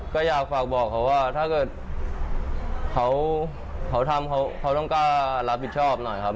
ก็อยากฝากบอกเขาว่าถ้าเกิดเขาทำเขาต้องกล้ารับผิดชอบหน่อยครับ